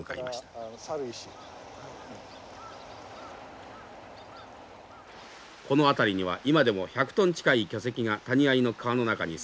この辺りには今でも１００トン近い巨石が谷あいの川の中に散在しています。